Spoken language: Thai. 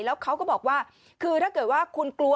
แล้วเขาก็บอกว่าคือถ้าเกิดว่าคุณกลัว